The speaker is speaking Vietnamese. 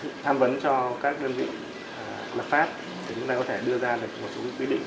thì chúng ta có thể đưa ra một số quy định